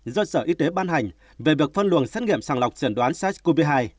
do sở y tế ban hành về việc phân luồng xét nghiệm sàng lọc trần đoán sars cov hai